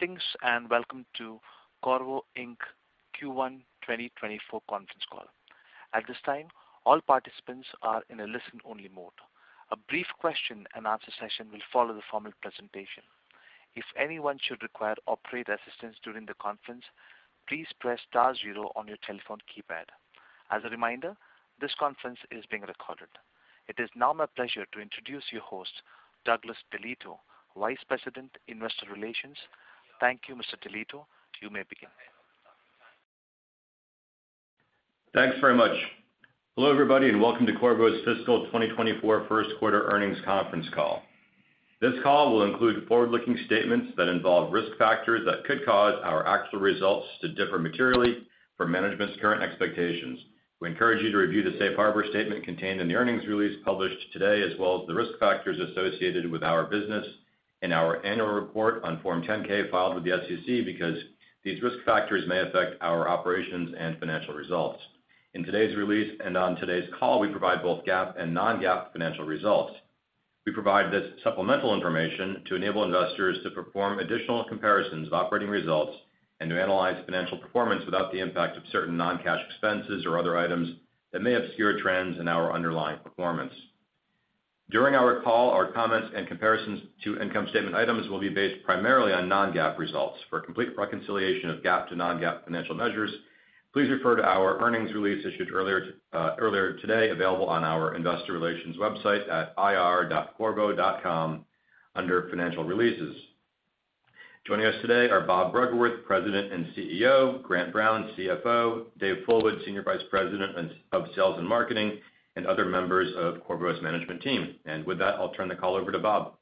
Greetings, welcome to Qorvo Inc. Q1 2024 conference call. At this time, all participants are in a listen-only mode. A brief question-and-answer session will follow the formal presentation. If anyone should require operator assistance during the conference, please press star zero on your telephone keypad. As a reminder, this conference is being recorded. It is now my pleasure to introduce your host, Doug DeLieto, Vice President, Investor Relations. Thank you, Mr. DeLieto. You may begin. Thanks very much. Hello, everybody, and welcome to Qorvo's fiscal 2024 first quarter earnings conference call. This call will include forward-looking statements that involve risk factors that could cause our actual results to differ materially from management's current expectations. We encourage you to review the safe harbor statement contained in the earnings release published today, as well as the risk factors associated with our business in our annual report on Form 10-K filed with the SEC, because these risk factors may affect our operations and financial results. In today's release and on today's call, we provide both GAAP and non-GAAP financial results. We provide this supplemental information to enable investors to perform additional comparisons of operating results and to analyze financial performance without the impact of certain non-cash expenses or other items that may obscure trends in our underlying performance. During our call, our comments and comparisons to income statement items will be based primarily on non-GAAP results. For a complete reconciliation of GAAP to non-GAAP financial measures, please refer to our earnings release issued earlier, earlier today, available on our investor relations website at ir.qorvo.com under Financial Releases. Joining us today are Rob Bruggeworth, President and CEO, Grant Brown, CFO, Dave Fullwood, Senior Vice President of Sales and Marketing, and other members of Qorvo's management team. With that, I'll turn the call over to Rob.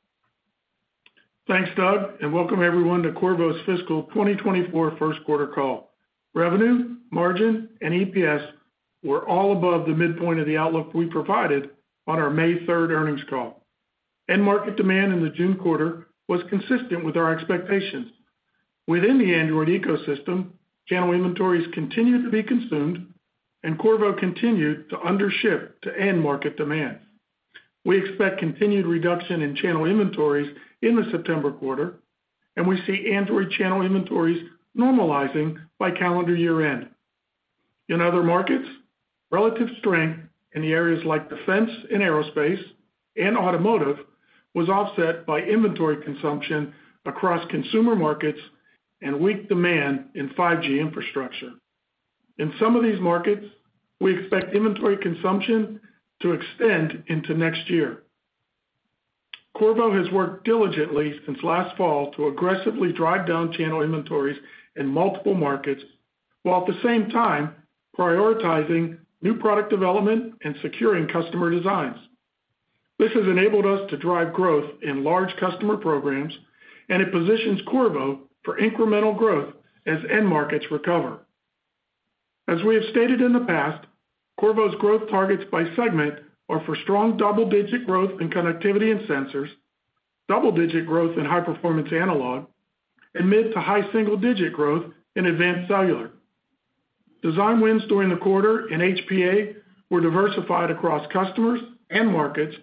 Thanks, Doug, and welcome everyone to Qorvo's fiscal 2024 first quarter call. Revenue, margin, and EPS were all above the midpoint of the outlook we provided on our May 3rd earnings call. End market demand in the June quarter was consistent with our expectations. Within the Android ecosystem, channel inventories continued to be consumed, and Qorvo continued to undership to end-market demand. We expect continued reduction in channel inventories in the September quarter, and we see Android channel inventories normalizing by calendar year-end. In other markets, relative strength in the areas like defense and aerospace and automotive was offset by inventory consumption across consumer markets and weak demand in 5G infrastructure. In some of these markets, we expect inventory consumption to extend into next year. Qorvo has worked diligently since last fall to aggressively drive down channel inventories in multiple markets, while at the same time prioritizing new product development and securing customer designs. This has enabled us to drive growth in large customer programs, and it positions Qorvo for incremental growth as end markets recover. As we have stated in the past, Qorvo's growth targets by segment are for strong double-digit growth in Connectivity and Sensors, double-digit growth in High Performance Analog, and mid to high single-digit growth in Advanced Cellular. Design wins during the quarter in HPA were diversified across customers, end markets,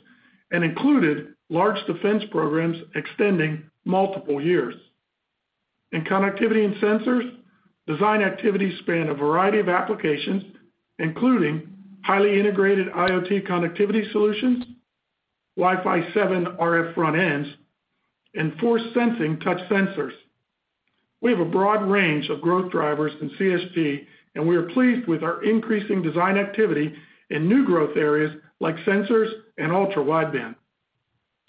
and included large defense programs extending multiple years. In Connectivity and Sensors, design activities span a variety of applications, including highly integrated IoT connectivity solutions, Wi-Fi 7 RF front ends, and force-sensing touch sensors. We have a broad range of growth drivers in CSG, and we are pleased with our increasing design activity in new growth areas like sensors and ultra-wideband.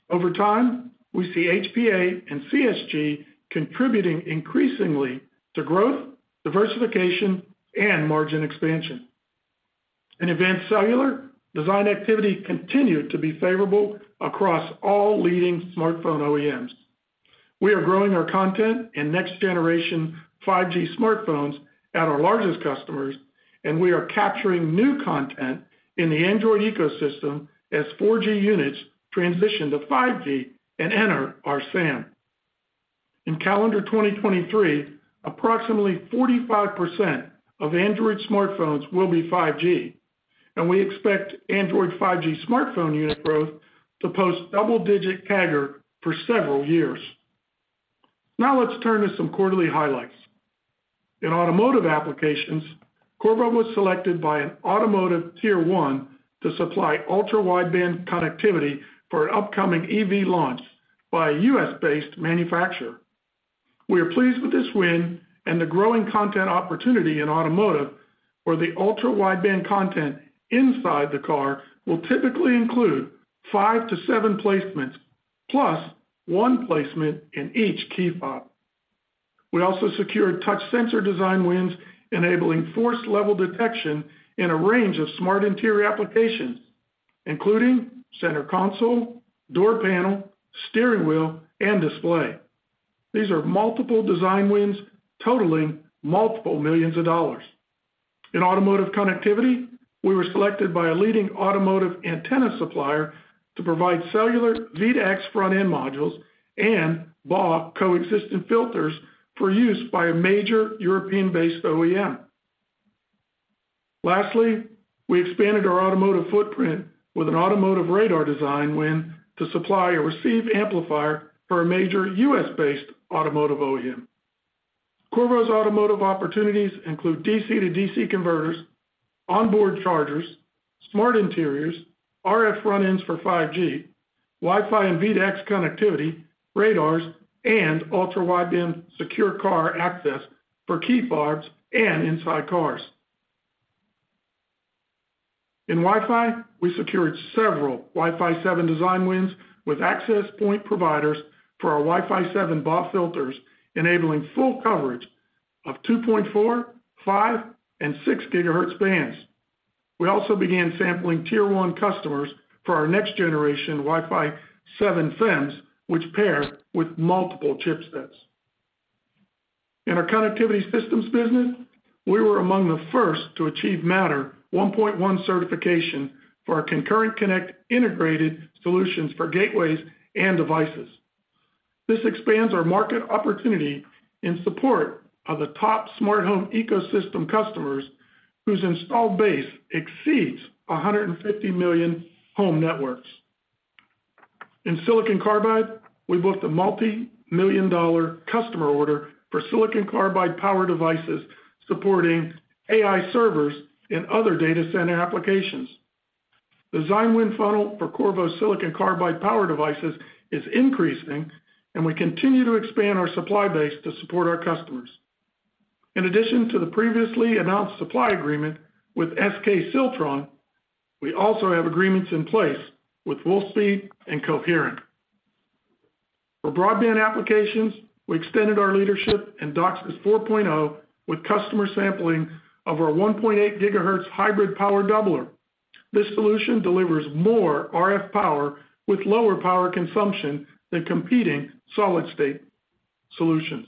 Over time, we see HPA and CSG contributing increasingly to growth, diversification, and margin expansion. In Advanced Cellular, design activity continued to be favorable across all leading smartphone OEMs. We are growing our content in next-generation 5G smartphones at our largest customers, and we are capturing new content in the Android ecosystem as 4G units transition to 5G and enter our SAM. In calendar 2023, approximately 45% of Android smartphones will be 5G, and we expect Android 5G smartphone unit growth to post double-digit CAGR for several years. Now, let's turn to some quarterly highlights. In automotive applications, Qorvo was selected by an automotive Tier 1 to supply ultra-wideband connectivity for an upcoming EV launch by a US-based manufacturer. We are pleased with this win and the growing content opportunity in automotive, where the ultra-wideband content inside the car will typically include 5-7 placements, plus one placement in each key fob. We also secured touch sensor design wins, enabling force-level detection in a range of smart interior applications, including center console, door panel, steering wheel, and display. These are multiple design wins totaling $multiple millions of dollars. In automotive connectivity, we were selected by a leading automotive antenna supplier to provide cellular V2X front-end modules and BAW coexistence filters for use by a major European-based OEM. Lastly, we expanded our automotive footprint with an automotive radar design win to supply a receive amplifier for a major US-based automotive OEM. Qorvo's automotive opportunities include DC-to-DC converters, onboard chargers, smart interiors, RF front ends for 5G, Wi-Fi and V2X connectivity, radars, and ultra-wideband secure car access for key fobs and inside cars. In Wi-Fi, we secured several Wi-Fi 7 design wins with access point providers for our Wi-Fi 7 BAW filters, enabling full coverage of 2.4, 5, and 6 GHz bands. We also began sampling Tier 1 customers for our next generation Wi-Fi 7 FEMs, which pair with multiple chipsets. In our Connectivity Systems business, we were among the first to achieve Matter 1.1 certification for our ConcurrentConnect integrated solutions for gateways and devices. This expands our market opportunity in support of the top smart home ecosystem customers, whose installed base exceeds 150 million home networks. In silicon carbide, we booked a multimillion-dollar customer order for silicon carbide power devices supporting AI servers and other data center applications. Design win funnel for Qorvo silicon carbide power devices is increasing, and we continue to expand our supply base to support our customers. In addition to the previously announced supply agreement with SK Siltron, we also have agreements in place with Wolfspeed and Coherent. For broadband applications, we extended our leadership in DOCSIS 4.0, with customer sampling of our 1.8 GHz hybrid power doubler. This solution delivers more RF power with lower power consumption than competing solid-state solutions.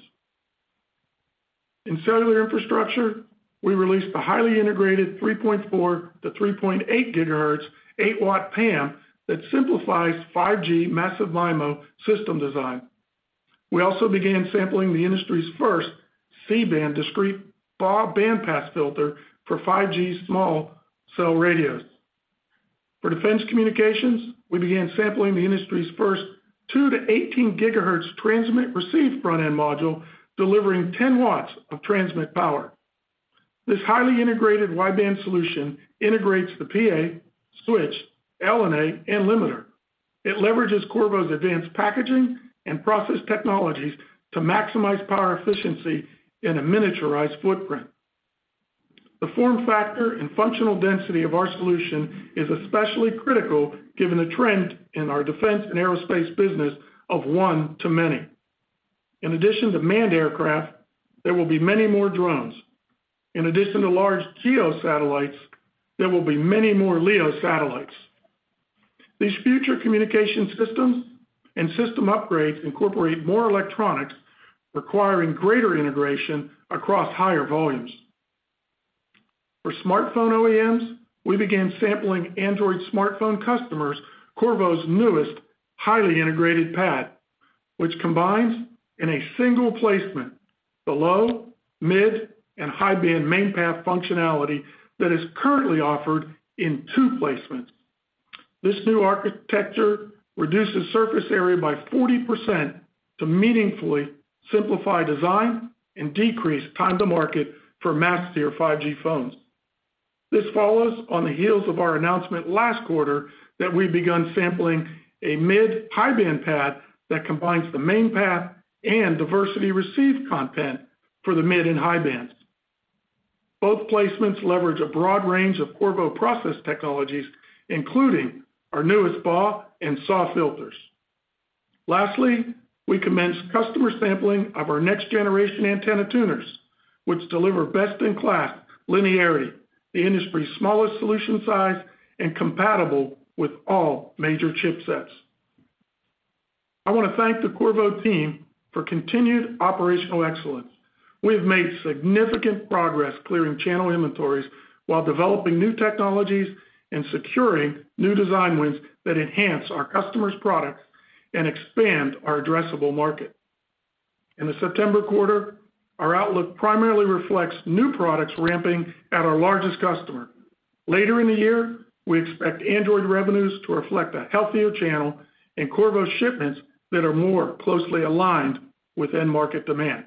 In cellular infrastructure, we released the highly integrated 3.4 to 3.8 GHz, 8 W PAM that simplifies 5G massive MIMO system design. We also began sampling the industry's first C-band discrete BAW band pass filter for 5G small cell radios. For defense communications, we began sampling the industry's first 2-18 GHz transmit/receive front-end module, delivering 10 watts of transmit power. This highly integrated wideband solution integrates the PA, switch, LNA, and limiter. It leverages Qorvo's advanced packaging and process technologies to maximize power efficiency in a miniaturized footprint. The form factor and functional density of our solution is especially critical, given the trend in our defense and aerospace business of one to many. In addition to manned aircraft, there will be many more drones. In addition to large GEO satellites, there will be many more LEO satellites. These future communication systems and system upgrades incorporate more electronics, requiring greater integration across higher volumes. For smartphone OEMs, we began sampling Android smartphone customers, Qorvo's newest highly integrated PAD, which combines in a single placement, the low, mid, and high-band main path functionality that is currently offered in 2 placements. This new architecture reduces surface area by 40% to meaningfully simplify design and decrease time to market for mass-tier 5G phones. This follows on the heels of our announcement last quarter that we've begun sampling a mid/high-band PAD that combines the main path and diversity receive content for the mid and high bands. Both placements leverage a broad range of Qorvo process technologies, including our newest BAW and SAW filters. Lastly, we commenced customer sampling of our next-generation antenna tuners, which deliver best-in-class linearity, the industry's smallest solution size, and compatible with all major chipsets. I want to thank the Qorvo team for continued operational excellence. We have made significant progress clearing channel inventories while developing new technologies and securing new design wins that enhance our customers' products and expand our addressable market. In the September quarter, our outlook primarily reflects new products ramping at our largest customer. Later in the year, we expect Android revenues to reflect a healthier channel and Qorvo shipments that are more closely aligned with end market demand.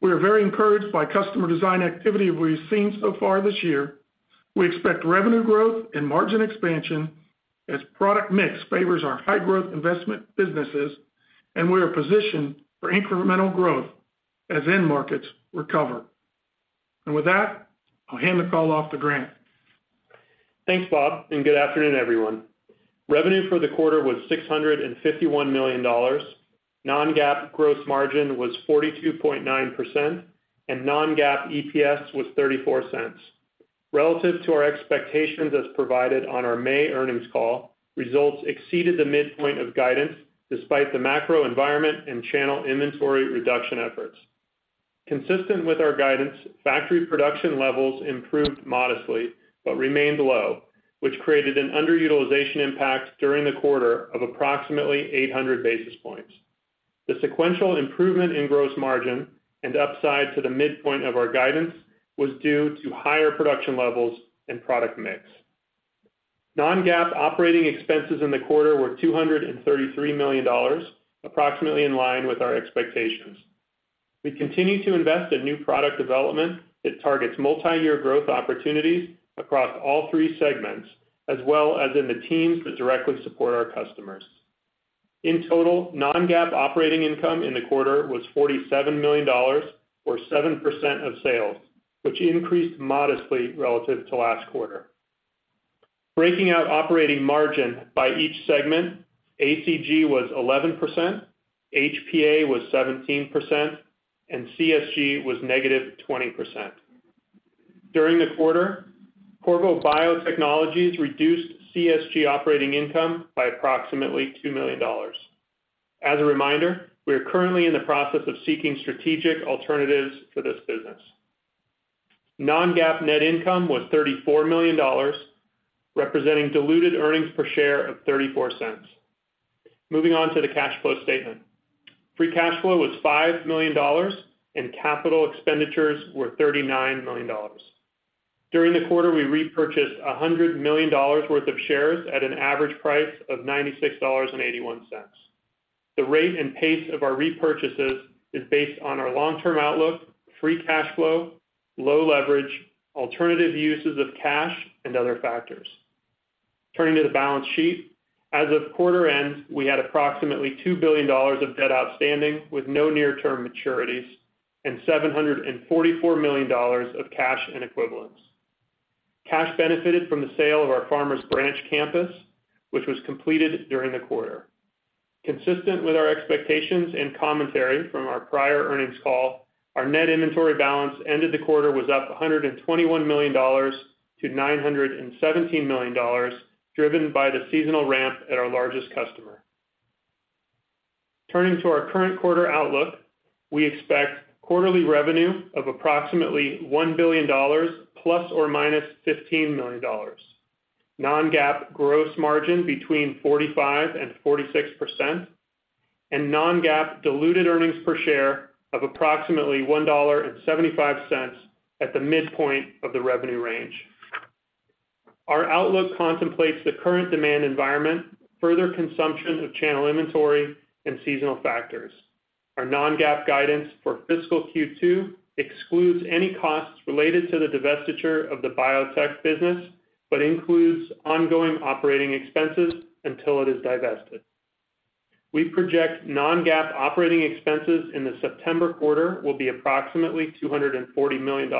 We are very encouraged by customer design activity we've seen so far this year. We expect revenue growth and margin expansion as product mix favors our high-growth investment businesses, and we are positioned for incremental growth as end markets recover. With that, I'll hand the call off to Grant. Thanks, Rob, good afternoon, everyone. Revenue for the quarter was $651 million. non-GAAP gross margin was 42.9%, non-GAAP EPS was $0.34. Relative to our expectations as provided on our May earnings call, results exceeded the midpoint of guidance despite the macro environment and channel inventory reduction efforts. Consistent with our guidance, factory production levels improved modestly but remained low, which created an underutilization impact during the quarter of approximately 800 basis points. The sequential improvement in gross margin and upside to the midpoint of our guidance was due to higher production levels and product mix. non-GAAP operating expenses in the quarter were $233 million, approximately in line with our expectations. We continue to invest in new product development that targets multi-year growth opportunities across all three segments, as well as in the teams that directly support our customers. In total, non-GAAP operating income in the quarter was $47 million or 7% of sales, which increased modestly relative to last quarter. Breaking out operating margin by each segment, ACG was 11%, HPA was 17%, and CSG was negative 20%. During the quarter, Qorvo Biotechnologies reduced CSG operating income by approximately $2 million. As a reminder, we are currently in the process of seeking strategic alternatives for this business. Non-GAAP net income was $34 million, representing diluted earnings per share of $0.34. Moving on to the cash flow statement. Free cash flow was $5 million, and capital expenditures were $39 million. During the quarter, we repurchased $100 million worth of shares at an average price of $96.81. The rate and pace of our repurchases is based on our long-term outlook, free cash flow, low leverage, alternative uses of cash, and other factors. Turning to the balance sheet. As of quarter end, we had approximately $2 billion of debt outstanding, with no near-term maturities, and $744 million of cash and equivalents. Cash benefited from the sale of our Farmers Branch campus, which was completed during the quarter. Consistent with our expectations and commentary from our prior earnings call, our net inventory balance ended the quarter was up $121 million-$917 million, driven by the seasonal ramp at our largest customer. Turning to our current quarter outlook, we expect quarterly revenue of approximately $1 billion ±$15 million. Non-GAAP gross margin between 45% and 46%, and non-GAAP diluted earnings per share of approximately $1.75 at the midpoint of the revenue range. Our outlook contemplates the current demand environment, further consumption of channel inventory, and seasonal factors. Our non-GAAP guidance for fiscal Q2 excludes any costs related to the divestiture of the biotech business, but includes ongoing operating expenses until it is divested. We project non-GAAP operating expenses in the September quarter will be approximately $240 million.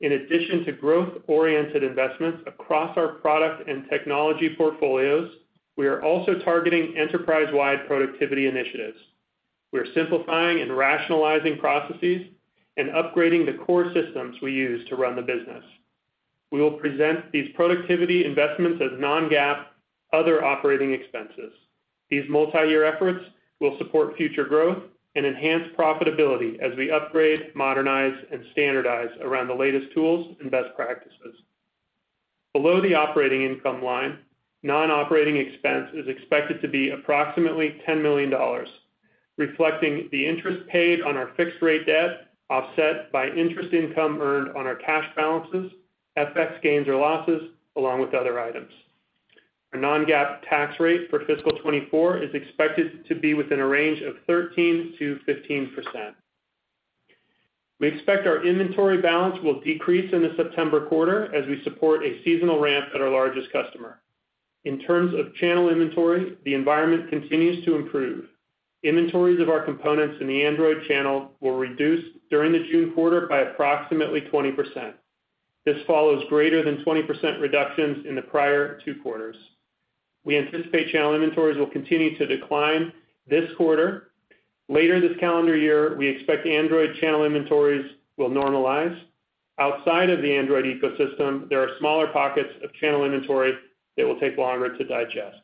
In addition to growth-oriented investments across our product and technology portfolios, we are also targeting enterprise-wide productivity initiatives. We are simplifying and rationalizing processes and upgrading the core systems we use to run the business. We will present these productivity investments as non-GAAP, other operating expenses. These multi-year efforts will support future growth and enhance profitability as we upgrade, modernize, and standardize around the latest tools and best practices. Below the operating income line, non-operating expense is expected to be approximately $10 million, reflecting the interest paid on our fixed rate debt, offset by interest income earned on our cash balances, FX gains or losses, along with other items. Our non-GAAP tax rate for fiscal 2024 is expected to be within a range of 13%-15%. We expect our inventory balance will decrease in the September quarter as we support a seasonal ramp at our largest customer. In terms of channel inventory, the environment continues to improve. Inventories of our components in the Android channel will reduce during the June quarter by approximately 20%. This follows greater than 20% reductions in the prior two quarters. We anticipate channel inventories will continue to decline this quarter. Later this calendar year, we expect Android channel inventories will normalize. Outside of the Android ecosystem, there are smaller pockets of channel inventory that will take longer to digest.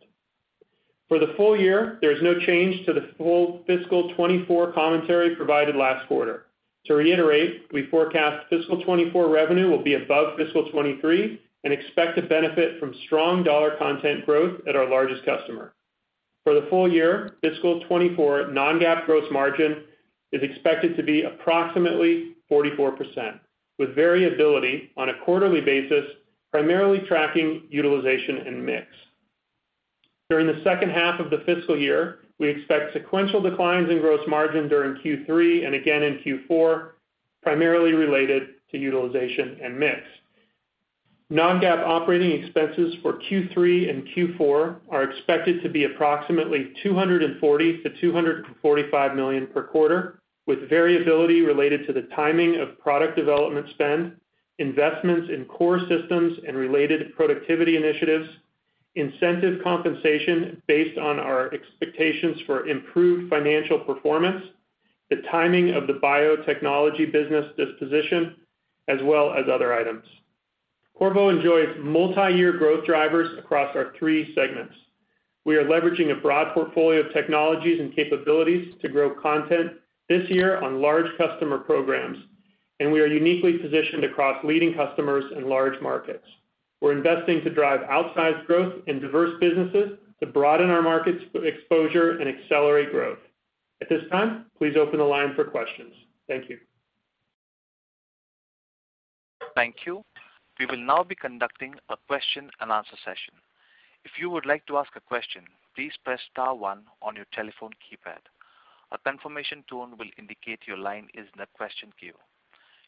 For the full year, there is no change to the full fiscal 2024 commentary provided last quarter. To reiterate, we forecast fiscal 2024 revenue will be above fiscal 2023 and expect to benefit from strong dollar content growth at our largest customer. For the full year, fiscal 2024 non-GAAP gross margin is expected to be approximately 44%, with variability on a quarterly basis, primarily tracking utilization and mix. During the second half of the fiscal year, we expect sequential declines in gross margin during Q3 and again in Q4, primarily related to utilization and mix. Non-GAAP operating expenses for Q3 and Q4 are expected to be approximately $240 million-$245 million per quarter, with variability related to the timing of product development spend, investments in core systems and related productivity initiatives, incentive compensation based on our expectations for improved financial performance, the timing of the biotechnology business disposition, as well as other items. Qorvo enjoys multi-year growth drivers across our three segments. We are leveraging a broad portfolio of technologies and capabilities to grow content this year on large customer programs.... We are uniquely positioned across leading customers in large markets. We're investing to drive outsized growth in diverse businesses, to broaden our market exposure and accelerate growth. At this time, please open the line for questions. Thank you. Thank you. We will now be conducting a question-and-answer session. If you would like to ask a question, please press star one on your telephone keypad. A confirmation tone will indicate your line is in the question queue.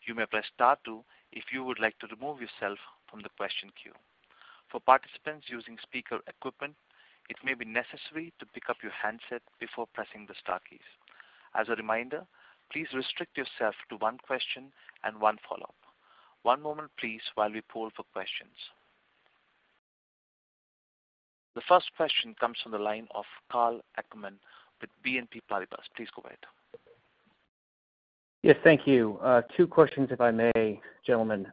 You may press star two if you would like to remove yourself from the question queue. For participants using speaker equipment, it may be necessary to pick up your handset before pressing the star keys. As a reminder, please restrict yourself to one question and one follow-up. One moment, please, while we poll for questions. The first question comes from the line of Karl Ackerman with BNP Paribas. Please go ahead. Yes, thank you. 2 questions if I may, gentlemen.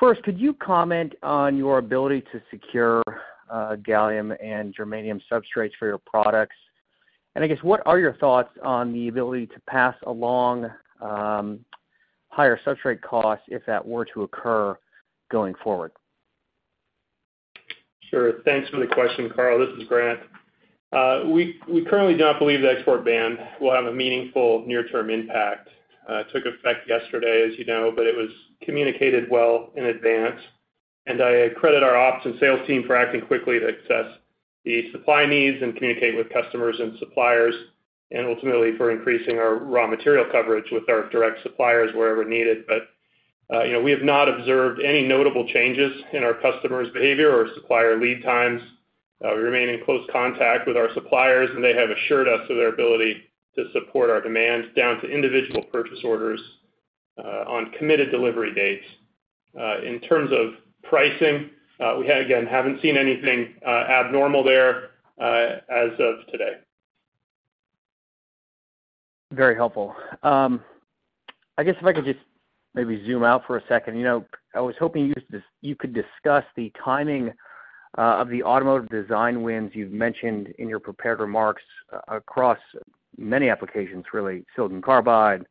First, could you comment on your ability to secure gallium and germanium substrates for your products? I guess, what are your thoughts on the ability to pass along higher substrate costs if that were to occur going forward? Sure. Thanks for the question, Karl. This is Grant. We, we currently do not believe the export ban will have a meaningful near-term impact. It took effect yesterday, as you know, but it was communicated well in advance, and I credit our ops and sales team for acting quickly to assess the supply needs and communicate with customers and suppliers, and ultimately for increasing our raw material coverage with our direct suppliers wherever needed. We have not observed any notable changes in our customers' behavior or supplier lead times. We remain in close contact with our suppliers, and they have assured us of their ability to support our demands down to individual purchase orders, on committed delivery dates. In terms of pricing, we, again, haven't seen anything abnormal there, as of today. Very helpful. I guess if I could just maybe zoom out for a second. You know, I was hoping you could discuss the timing of the automotive design wins you've mentioned in your prepared remarks across many applications, really, silicon carbide,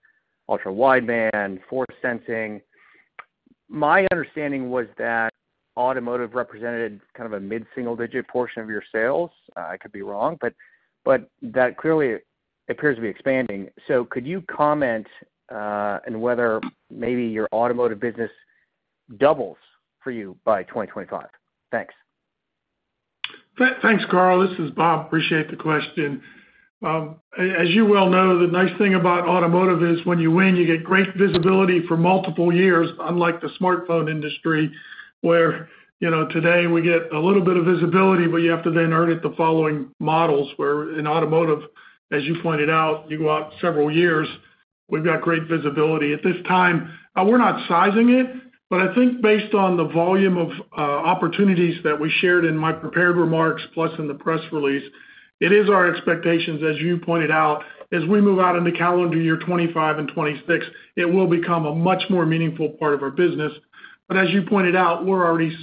ultra-wideband, force sensing. My understanding was that automotive represented kind of a mid-single-digit portion of your sales. I could be wrong, but that clearly appears to be expanding. Could you comment on whether maybe your automotive business doubles for you by 2025? Thanks. Thanks, Karl. This is Rob. Appreciate the question. As you well know, the nice thing about automotive is when you win, you get great visibility for multiple years, unlike the smartphone industry, where, you know, today we get a little bit of visibility, but you have to then earn it the following models, where in automotive, as you pointed out, you go out several years. We've got great visibility. At this time, we're not sizing it, but I think based on the volume of opportunities that we shared in my prepared remarks, plus in the press release, it is our expectations, as you pointed out, as we move out into calendar year 2025 and 2026, it will become a much more meaningful part of our business. As you pointed out, we're already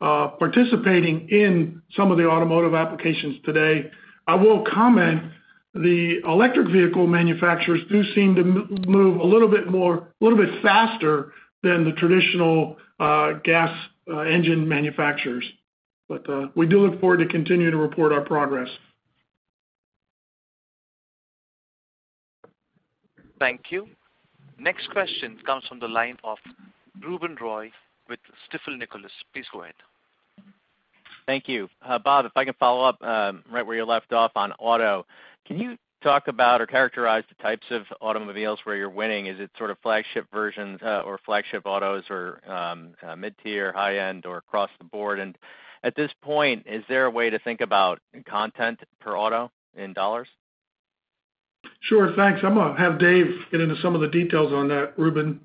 participating in some of the automotive applications today. I will comment, the electric vehicle manufacturers do seem to move a little bit faster than the traditional gas engine manufacturers. We do look forward to continuing to report our progress. Thank you. Next question comes from the line of Ruben Roy with Stifel Nicolaus. Please go ahead. Thank you. Rob, if I can follow up, right where you left off on auto. Can you talk about or characterize the types of automobiles where you're winning? Is it sort of flagship versions, or flagship autos or, mid-tier, high-end, or across the board? At this point, is there a way to think about content per auto in dollars? Sure, thanks. I'm gonna have Dave get into some of the details on that, Ruben.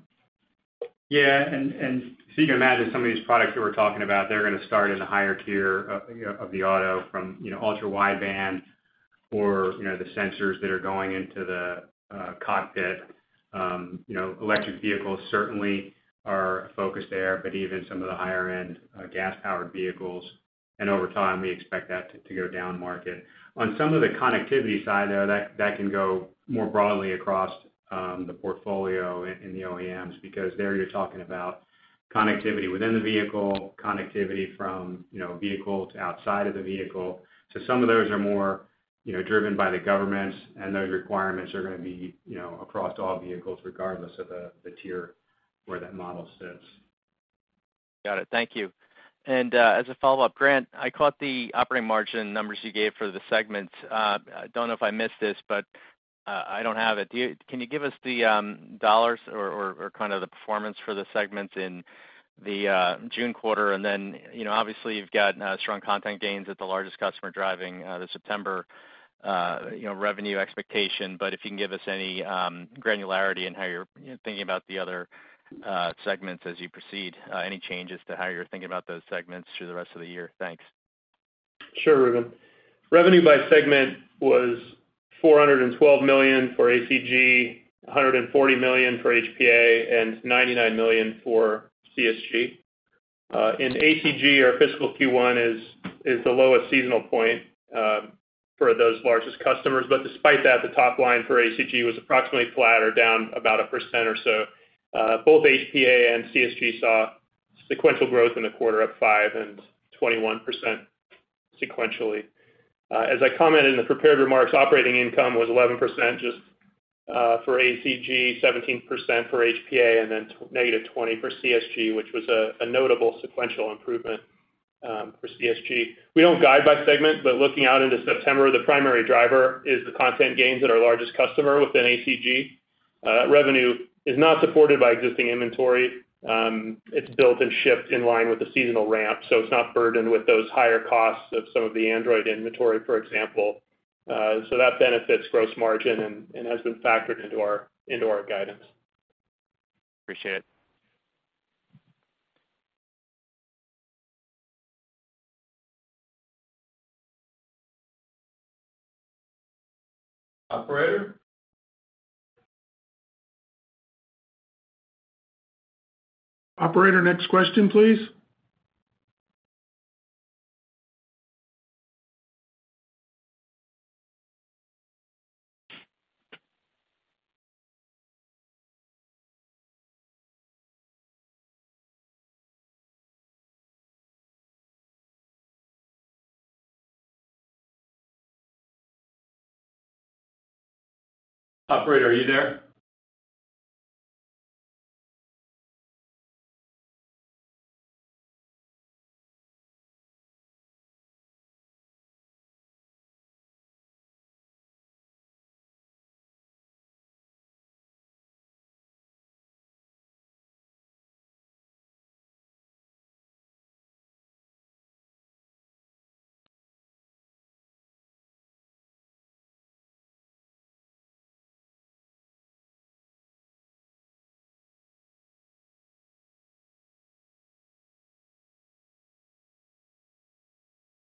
Yeah, so you can imagine some of these products that we're talking about, they're gonna start in the higher tier of, you know, of the auto from, you know, ultra-wideband or, you know, the sensors that are going into the cockpit. You know, electric vehicles certainly are a focus there, but even some of the higher-end, gas-powered vehicles. Over time, we expect that to go down market. On some of the connectivity side, though, that can go more broadly across the portfolio in the OEMs, because there you're talking about connectivity within the vehicle, connectivity from, you know, vehicle to outside of the vehicle. Some of those are more, you know, driven by the governments, and those requirements are gonna be, you know, across all vehicles, regardless of the tier where that model sits. Got it. Thank you. As a follow-up, Grant, I caught the operating margin numbers you gave for the segments. I don't know if I missed this, but I don't have it. Can you give us the dollars or, or, or kind of the performance for the segments in the June quarter? Then, you know, obviously, you've got strong content gains at the largest customer driving the September, you know, revenue expectation. If you can give us any granularity in how you're thinking about the other segments as you proceed, any changes to how you're thinking about those segments through the rest of the year? Thanks. Sure, Ruben. Revenue by segment was $412 million for ACG, $140 million for HPA, and $99 million for CSG. In ACG, our fiscal Q1 is the lowest seasonal point for those largest customers. Despite that, the top line for ACG was approximately flat or down about 1% or so. Both HPA and CSG saw sequential growth in the quarter, up 5% and 21% sequentially. As I commented in the prepared remarks, operating income was 11% for ACG, 17% for HPA, and -20% for CSG, which was a notable sequential improvement for CSG. We don't guide by segment, looking out into September, the primary driver is the content gains at our largest customer within ACG. Revenue is not supported by existing inventory. It's built and shipped in line with the seasonal ramp, so it's not burdened with those higher costs of some of the Android inventory, for example. That benefits gross margin and, and has been factored into our, into our guidance. Appreciate it. Operator? Operator, next question, please. Operator, are you there?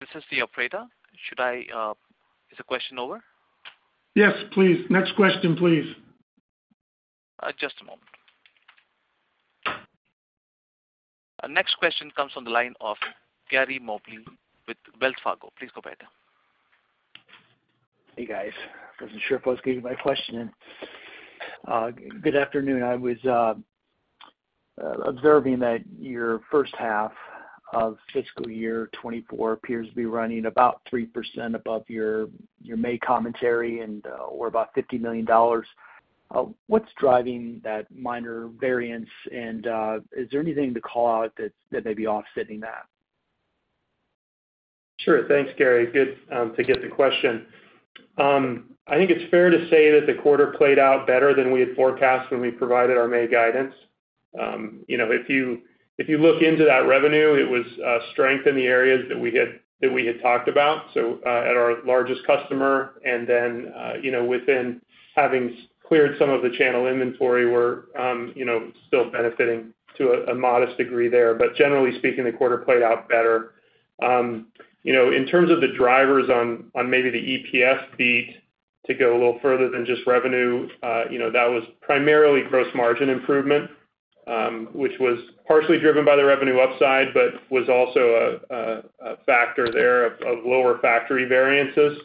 This is the operator. Should I... Is the question over? Yes, please. Next question, please. Just a moment. Our next question comes from the line of Gary Mobley with Wells Fargo. Please go ahead. Hey, guys. I wasn't sure if I was getting my question in. Good afternoon. I was observing that your first half of fiscal year 2024 appears to be running about 3% above your, your May commentary or about $50 million. What's driving that minor variance? Is there anything to call out that, that may be offsetting that? Sure. Thanks, Gary. Good to get the question. I think it's fair to say that the quarter played out better than we had forecast when we provided our May guidance. You know, if you, if you look into that revenue, it was strength in the areas that we had, that we had talked about. At our largest customer, and then, you know, within having cleared some of the channel inventory, we're, you know, still benefiting to a, a modest degree there. Generally speaking, the quarter played out better. You know, in terms of the drivers on, on maybe the EPS beat to go a little further than just revenue, you know, that was primarily gross margin improvement, which was partially driven by the revenue upside, but was also a factor there of lower factory variances,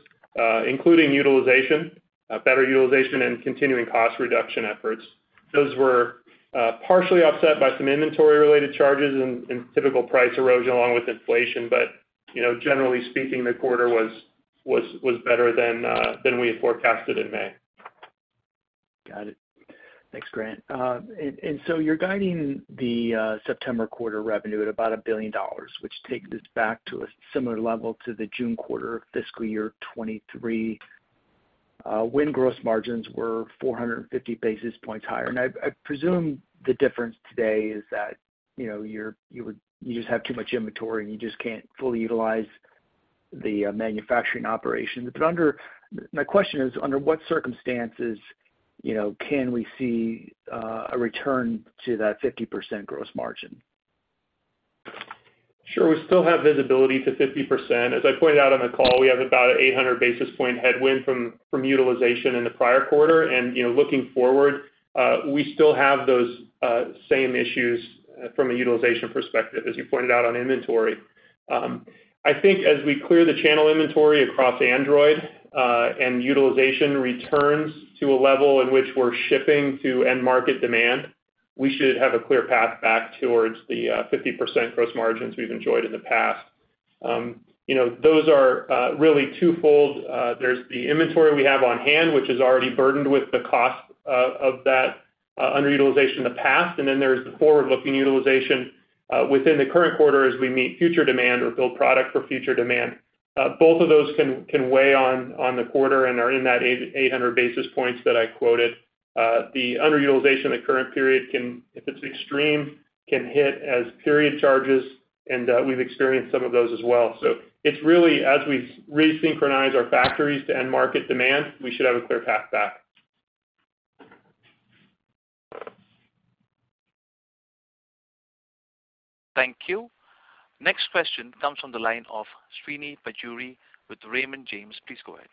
including utilization, better utilization and continuing cost reduction efforts. Those were partially offset by some inventory-related charges and typical price erosion along with inflation. You know, generally speaking, the quarter was better than we had forecasted in May. Got it. Thanks, Grant. You're guiding the September quarter revenue at about $1 billion, which takes us back to a similar level to the June quarter of fiscal year 2023, when gross margins were 450 basis points higher. I, I presume the difference today is that, you know, you just have too much inventory and you just can't fully utilize the manufacturing operations. My question is, under what circumstances, you know, can we see a return to that 50% gross margin? Sure. We still have visibility to 50%. As I pointed out on the call, we have about 800 basis point headwind from utilization in the prior quarter. You know, looking forward, we still have those same issues from a utilization perspective, as you pointed out on inventory. I think as we clear the channel inventory across Android, and utilization returns to a level in which we're shipping to end market demand, we should have a clear path back towards the 50% gross margins we've enjoyed in the past. You know, those are really twofold. There's the inventory we have on hand, which is already burdened with the cost, of, of that, underutilization in the past, and then there's the forward-looking utilization, within the current quarter as we meet future demand or build product for future demand. Both of those can, can weigh on, on the quarter and are in that 800 basis points that I quoted. The underutilization in the current period can, if it's extreme, can hit as period charges, and we've experienced some of those as well. It's really as we resynchronize our factories to end market demand, we should have a clear path back. Thank you. Next question comes from the line of Srinivas Pajjuri with Raymond James. Please go ahead....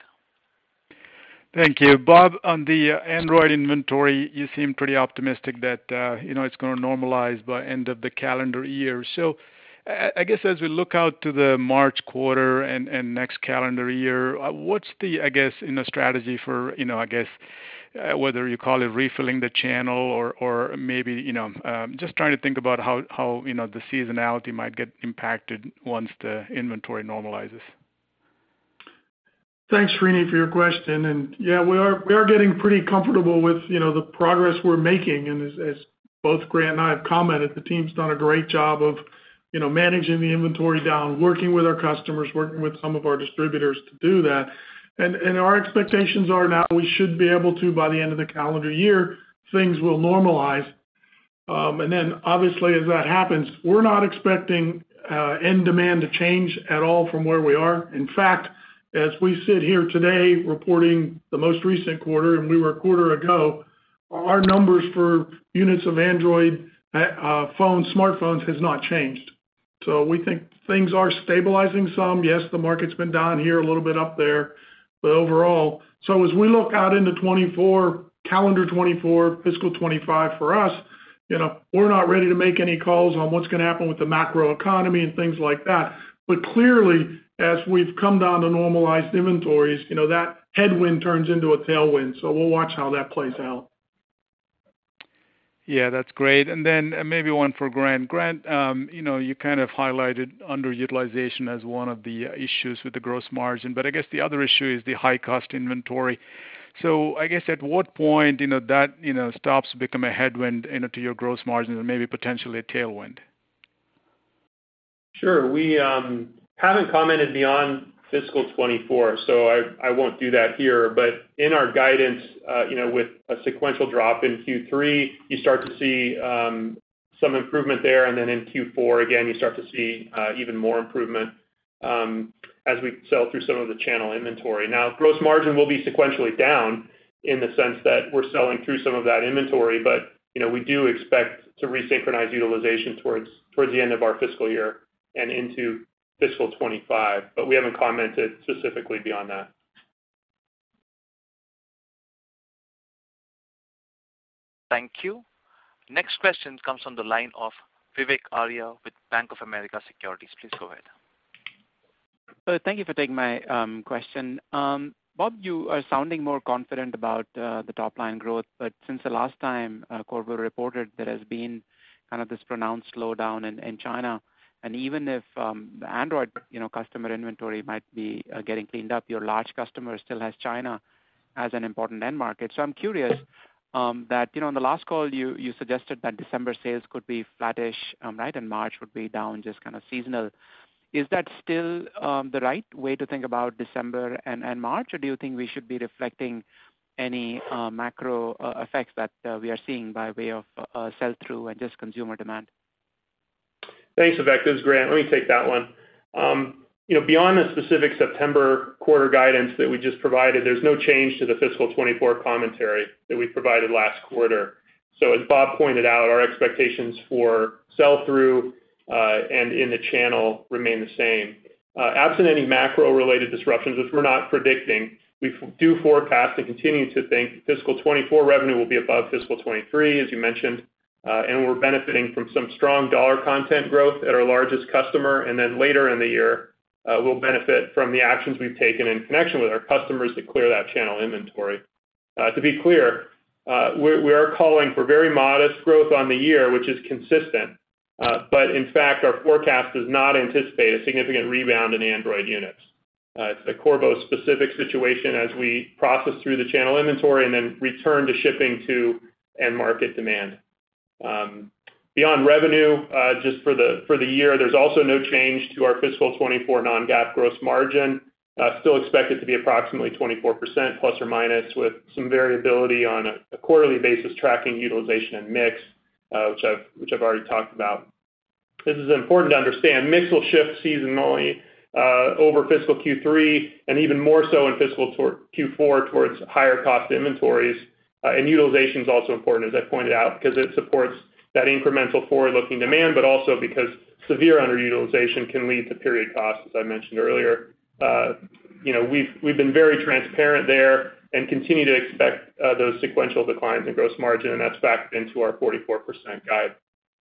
Thank you. Rob, on the Android inventory, you seem pretty optimistic that, you know, it's going to normalize by end of the calendar year. I, I guess, as we look out to the March quarter and, and next calendar year, what's the, I guess, you know, strategy for, you know, I guess, whether you call it refilling the channel or, or maybe, you know, just trying to think about how, how, you know, the seasonality might get impacted once the inventory normalizes. Thanks, Srini, for your question. Yeah, we are, we are getting pretty comfortable with, you know, the progress we're making, and as, as both Grant and I have commented, the team's done a great job of, you know, managing the inventory down, working with our customers, working with some of our distributors to do that. Our expectations are now we should be able to, by the end of the calendar year, things will normalize. Obviously, as that happens, we're not expecting end demand to change at all from where we are. In fact, as we sit here today reporting the most recent quarter, and we were a quarter ago, our numbers for units of Android phone-- smartphones has not changed. We think things are stabilizing some. Yes, the market's been down here, a little bit up there, but overall. As we look out into 2024, calendar 2024, fiscal 2025 for us, you know, we're not ready to make any calls on what's going to happen with the macroeconomy and things like that. Clearly, as we've come down to normalized inventories, you know, that headwind turns into a tailwind, so we'll watch how that plays out. Yeah, that's great. Then maybe one for Grant. Grant, you know, you kind of highlighted underutilization as one of the issues with the gross margin, but I guess the other issue is the high cost inventory. I guess, at what point, you know, that, you know, stops to become a headwind, you know, to your gross margin and maybe potentially a tailwind? Sure. We haven't commented beyond fiscal 2024, I won't do that here. In our guidance, you know, with a sequential drop in Q3, you start to see some improvement there, and then in Q4, again, you start to see even more improvement as we sell through some of the channel inventory. Now, gross margin will be sequentially down in the sense that we're selling through some of that inventory, but, you know, we do expect to resynchronize utilization towards the end of our fiscal year and into fiscal 2025, but we haven't commented specifically beyond that. Thank you. Next question comes from the line of Vivek Arya with Bank of America Securities. Please go ahead. Thank you for taking my question. Rob, you are sounding more confident about the top line growth, but since the last time Qorvo reported, there has been kind of this pronounced slowdown in China. Even if the Android, you know, customer inventory might be getting cleaned up, your large customer still has China as an important end market. I'm curious that, you know, in the last call, you suggested that December sales could be flattish, right, and March would be down, just kind of seasonal. Is that still the right way to think about December and March, or do you think we should be reflecting any macro effects that we are seeing by way of sell-through and just consumer demand? Thanks, Vivek. This is Grant. Let me take that one. You know, beyond the specific September quarter guidance that we just provided, there's no change to the fiscal 2024 commentary that we provided last quarter. As Rob pointed out, our expectations for sell-through and in the channel remain the same. Absent any macro-related disruptions, which we're not predicting, we do forecast and continue to think fiscal 2024 revenue will be above fiscal 2023, as you mentioned, and we're benefiting from some strong dollar content growth at our largest customer, and then later in the year, we'll benefit from the actions we've taken in connection with our customers to clear that channel inventory. To be clear, we are calling for very modest growth on the year, which is consistent. In fact, our forecast does not anticipate a significant rebound in Android units. It's a Qorvo specific situation as we process through the channel inventory and then return to shipping to end market demand. Beyond revenue, just for the year, there's also no change to our fiscal 2024 non-GAAP gross margin. Still expect it to be approximately 24% ±, with some variability on a quarterly basis, tracking, utilization, and mix, which I've already talked about. This is important to understand. Mix will shift seasonally, over fiscal Q3, and even more so in fiscal toward Q4, towards higher cost inventories. Utilization is also important, as I pointed out, because it supports that incremental forward-looking demand, but also because severe underutilization can lead to period costs, as I mentioned earlier. You know, we've, we've been very transparent there and continue to expect those sequential declines in gross margin, and that's factored into our 44% guide.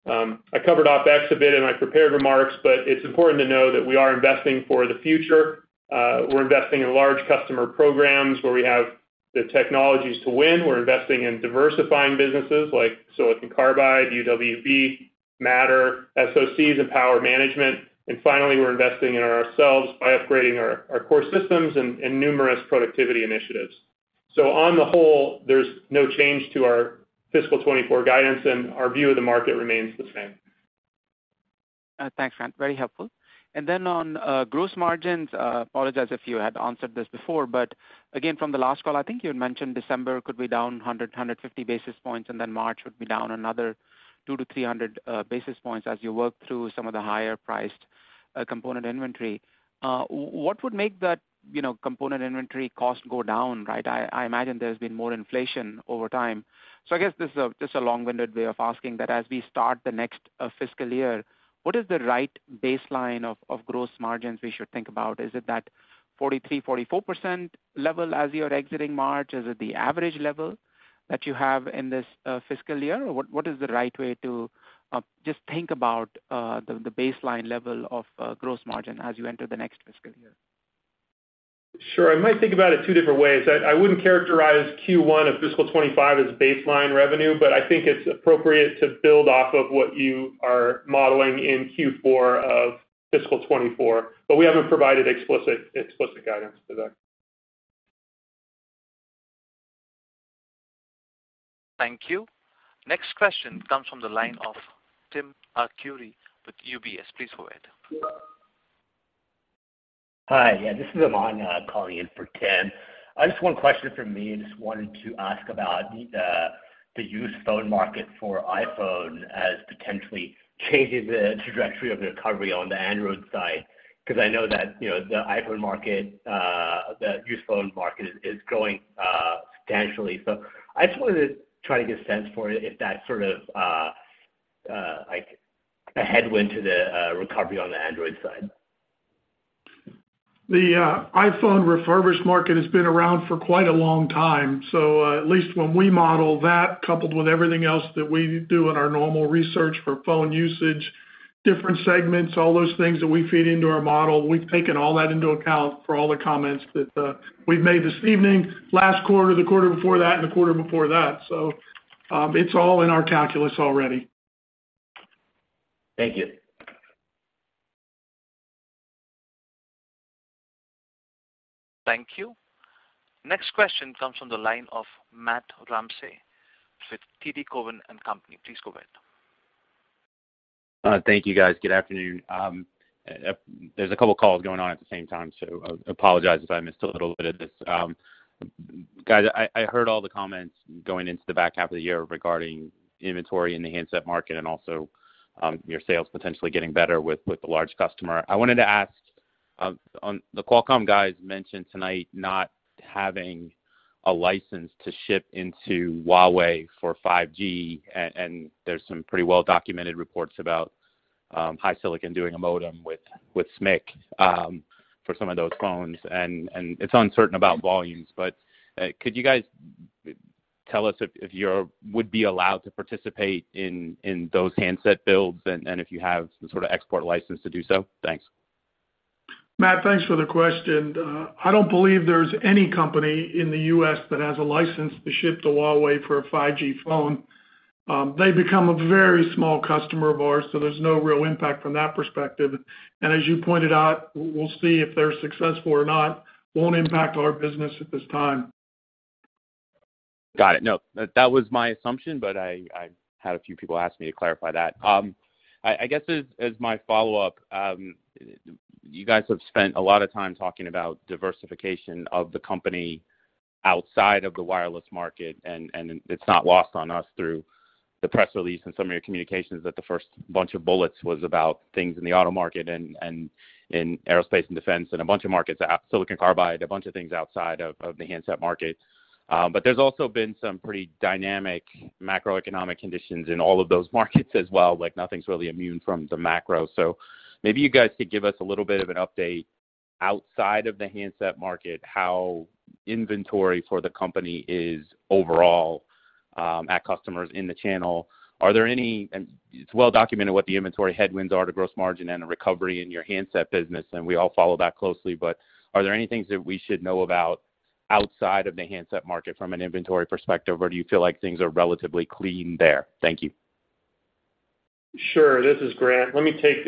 I covered OpEx a bit in my prepared remarks, but it's important to know that we are investing for the future. We're investing in large customer programs where we have the technologies to win. We're investing in diversifying businesses like silicon carbide, UWB, Matter, SOCs, and power management. Finally, we're investing in ourselves by upgrading our core systems and numerous productivity initiatives. On the whole, there's no change to our fiscal 2024 guidance, and our view of the market remains the same. Thanks, Grant. Very helpful. Then on gross margins, apologize if you had answered this before, but again, from the last call, I think you had mentioned December could be down 100-150 basis points, and then March would be down another 200-300 basis points as you work through some of the higher-priced component inventory. What would make that, you know, component inventory cost go down, right? I, I imagine there's been more inflation over time. I guess this is a, this is a long-winded way of asking that as we start the next fiscal year, what is the right baseline of gross margins we should think about? Is it that 43%-44% level as you're exiting March? Is it the average level that you have in this fiscal year? What, what is the right way to just think about the, the baseline level of gross margin as you enter the next fiscal year? Sure, I might think about it two different ways. I wouldn't characterize Q1 of fiscal 2025 as baseline revenue. I think it's appropriate to build off of what you are modeling in Q4 of fiscal 2024. We haven't provided explicit, explicit guidance to that. Thank you. Next question comes from the line of Tim Arcuri with UBS. Please go ahead. Hi, yeah, this is Aman, calling in for Tim. I just one question from me. Just wanted to ask about the used phone market for iPhone as potentially changing the trajectory of the recovery on the Android side. Because I know that, you know, the iPhone market, the used phone market is growing substantially. I just wanted to try to get a sense for if that sort of, like a headwind to the recovery on the Android side? The iPhone refurbished market has been around for quite a long time. At least when we model that, coupled with everything else that we do in our normal research for phone usage, different segments, all those things that we feed into our model, we've taken all that into account for all the comments that we've made this evening, last quarter, the quarter before that, and the quarter before that. It's all in our calculus already. Thank you. Thank you. Next question comes from the line of Matt Ramsay with TD Cowen and Company. Please go ahead. Thank you, guys. Good afternoon. There's a couple of calls going on at the same time, so I apologize if I missed a little bit of this. Guys, I, I heard all the comments going into the back half of the year regarding inventory in the handset market and also, your sales potentially getting better with, with the large customer. I wanted to ask, the Qualcomm guys mentioned tonight not having a license to ship into Huawei for 5G, and there's some pretty well-documented reports about HiSilicon doing a modem with SMIC for some of those phones, and it's uncertain about volumes. Could you guys tell us if you would be allowed to participate in those handset builds and if you have the sort of export license to do so? Thanks. Matt, thanks for the question. I don't believe there's any company in the U.S. that has a license to ship to Huawei for a 5G phone. They've become a very small customer of ours, so there's no real impact from that perspective. As you pointed out, we'll see if they're successful or not, won't impact our business at this time. Got it. No, that was my assumption, but I, I had a few people ask me to clarify that. I guess as, as my follow-up, you guys have spent a lot of time talking about diversification of the company outside of the wireless market, and it's not lost on us through the press release and some of your communications, that the first bunch of bullets was about things in the automotive market and in defense and aerospace, and a bunch of markets, silicon carbide, a bunch of things outside of the handset market. There's also been some pretty dynamic macroeconomic conditions in all of those markets as well, like, nothing's really immune from the macro. Maybe you guys could give us a little bit of an update outside of the handset market, how inventory for the company is overall at customers in the channel. It's well documented what the inventory headwinds are to gross margin and the recovery in your handset business, and we all follow that closely. Are there any things that we should know about outside of the handset market from an inventory perspective, or do you feel like things are relatively clean there? Thank you. Sure. This is Grant. Let me take,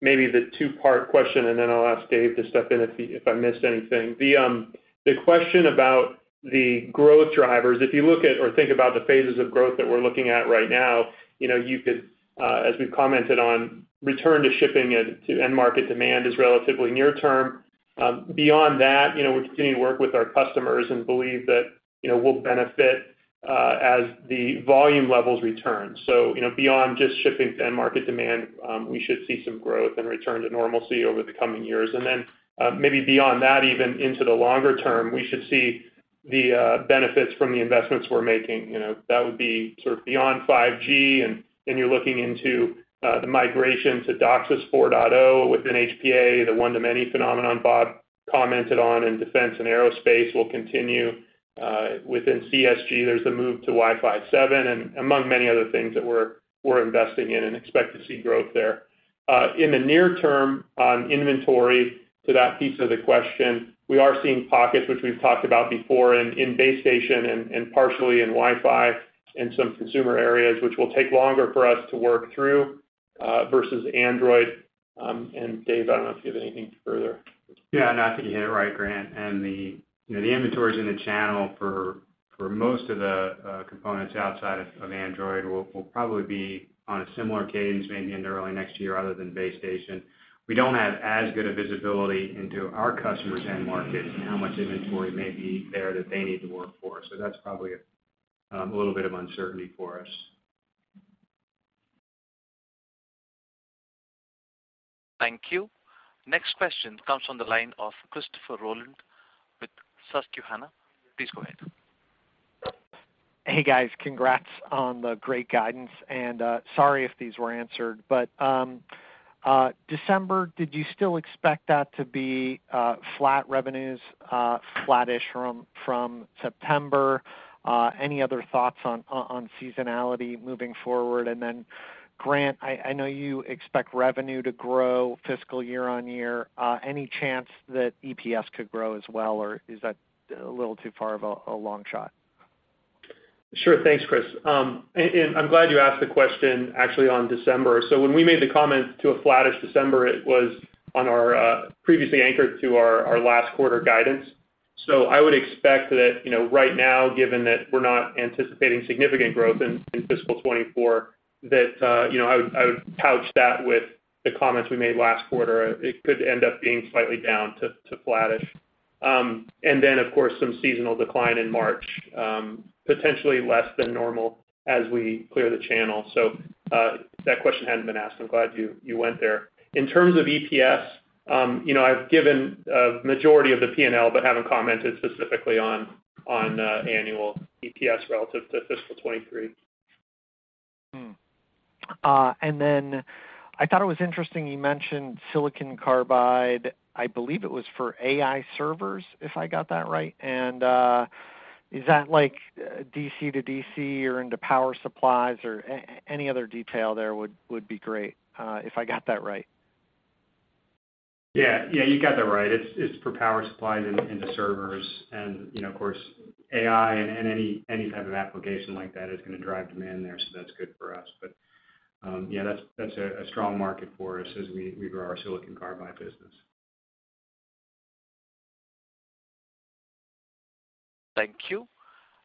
maybe the two-part question, and then I'll ask Dave to step in if I missed anything. The question about the growth drivers, if you look at or think about the phases of growth that we're looking at right now, you know, you could, as we've commented on, return to shipping and to end-market demand is relatively near term. Beyond that, you know, we're continuing to work with our customers and believe that, you know, we'll benefit as the volume levels return. So, you know, beyond just shipping to end-market demand, we should see some growth and return to normalcy over the coming years. And then, maybe beyond that, even into the longer term, we should see the benefits from the investments we're making. You know, that would be sort of beyond 5G. Then you're looking into the migration to DOCSIS 4.0 within HPA, the one to many phenomenon Rob commented on. Defense and aerospace will continue. Within CSG, there's the move to Wi-Fi 7, among many other things that we're, we're investing in and expect to see growth there. In the near term on inventory, to that piece of the question, we are seeing pockets, which we've talked about before, in, in base station and, and partially in Wi-Fi and some consumer areas, which will take longer for us to work through versus Android. Dave, I don't know if you have anything further. Yeah. No, I think you hit it right, Grant. The, you know, the inventories in the channel for, for most of the components outside of Android will, will probably be on a similar cadence maybe into early next year other than base station. We don't have as good a visibility into our customers' end markets and how much inventory may be there that they need to work for. That's probably a little bit of uncertainty for us. Thank you. Next question comes from the line of Christopher Rolland with Susquehanna. Please go ahead. Hey, guys. Congrats on the great guidance. Sorry if these were answered, but December, did you still expect that to be flat revenues, flattish from September? Any other thoughts on seasonality moving forward? Grant, I know you expect revenue to grow fiscal year-on-year. Any chance that EPS could grow as well, or is that a little too far of a long shot? Sure. Thanks, Chris. I'm glad you asked the question actually on December. When we made the comment to a flattish December, it was on our previously anchored to our last quarter guidance. I would expect that, you know, right now, given that we're not anticipating significant growth in fiscal 2024, that, you know, I would, I would couch that with the comments we made last quarter. It could end up being slightly down to flattish. Then, of course, some seasonal decline in March, potentially less than normal as we clear the channel. That question hadn't been asked. I'm glad you went there. In terms of EPS, you know, I've given a majority of the P&L, but haven't commented specifically on annual EPS relative to fiscal 2023. Hmm. Then I thought it was interesting you mentioned silicon carbide. I believe it was for AI servers, if I got that right. Is that like DC to DC or into power supplies or any other detail there would be great, if I got that right? Yeah. Yeah, you got that right. It's, it's for power supplies into, into servers. You know, of course, AI and, and any, any type of application like that is gonna drive demand there, so that's good for us. Yeah, that's, that's a, a strong market for us as we, we grow our silicon carbide business. Thank you.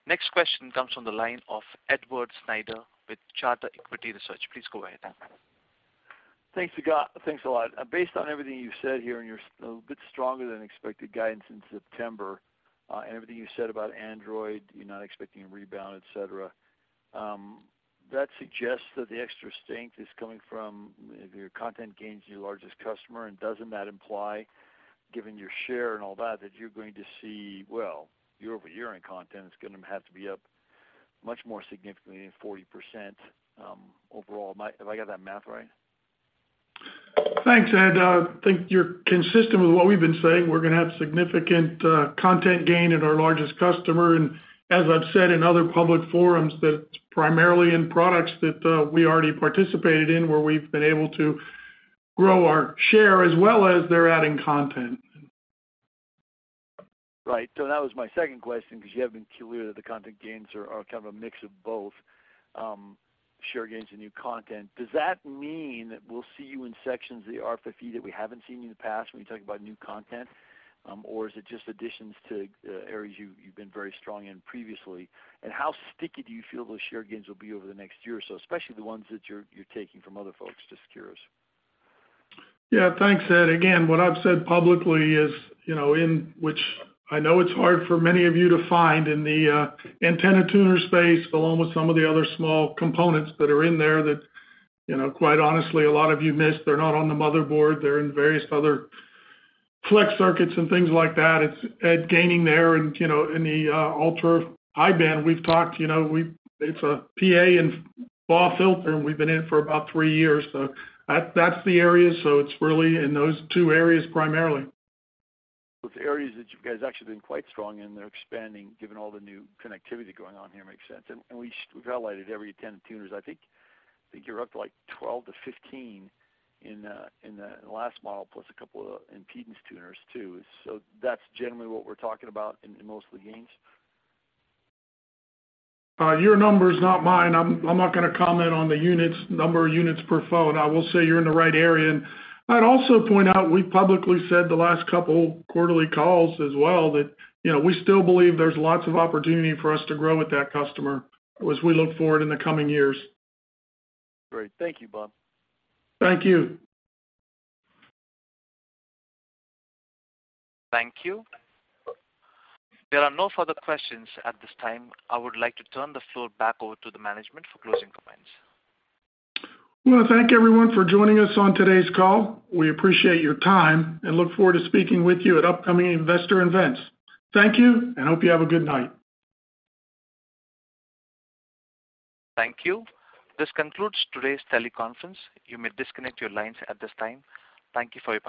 Next question comes from the line of Edward Snyder with Charter Equity Research. Please go ahead. Thanks, Agah. Thanks a lot. Based on everything you've said here, and you're a bit stronger than expected guidance in September, and everything you've said about Android, you're not expecting a rebound, et cetera, that suggests that the extra strength is coming from your content gains in your largest customer, and doesn't that imply, given your share and all that, that you're going to see, well, year-over-year in content, it's gonna have to be up much more significantly than 40%, overall? Have I got that math right? Thanks, Ed. I think you're consistent with what we've been saying. We're gonna have significant content gain in our largest customer, as I've said in other public forums, that's primarily in products that we already participated in, where we've been able to grow our share, as well as they're adding content. Right. That was my second question, because you have been clear that the content gains are, are kind of a mix of both, share gains and new content. Does that mean that we'll see you in sections of the RFFE that we haven't seen you in the past, when you talk about new content? Or is it just additions to areas you've, you've been very strong in previously? How sticky do you feel those share gains will be over the next year or so, especially the ones that you're, you're taking from other folks, just curious? Yeah. Thanks, Ed. What I've said publicly is, you know, in which I know it's hard for many of you to find in the antenna tuner space, along with some of the other small components that are in there that, you know, quite honestly, a lot of you missed. They're not on the motherboard. They're in various other flex circuits and things like that. It's, Ed, gaining there and, you know, in the ultra-high band, we've talked, you know, it's a PA and BAW filter, and we've been in it for about 3 years. That, that's the area, so it's really in those 2 areas primarily. Those areas that you guys have actually been quite strong in, they're expanding, given all the new connectivity going on here, makes sense. We've highlighted every 10 tuners. I think, I think you're up to, like, 12 to 15 in the last model, plus a couple of impedance tuners, too. That's generally what we're talking about in, in most of the gains? Your number is not mine. I'm, I'm not gonna comment on the units, number of units per phone. I will say you're in the right area. And I'd also point out, we've publicly said the last couple quarterly calls as well, that, you know, we still believe there's lots of opportunity for us to grow with that customer as we look forward in the coming years. Great. Thank you, Rob. Thank you. Thank you. There are no further questions at this time. I would like to turn the floor back over to the management for closing comments. Well, thank everyone for joining us on today's call. We appreciate your time and look forward to speaking with you at upcoming investor events. Thank you, and hope you have a good night. Thank you. This concludes today's teleconference. You may disconnect your lines at this time. Thank you for your participation.